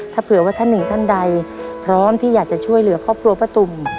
ถ้าเผื่อว่าท่านหนึ่งท่านใดพร้อมที่อยากจะช่วยเหลือครอบครัวป้าตุ่ม